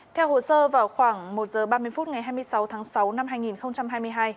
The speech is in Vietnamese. theo hồ sơ vào khoảng một h ba mươi phút ngày hai mươi sáu tháng sáu năm hai nghìn hai mươi hai